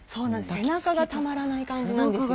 背中がたまらない感じなんですよ。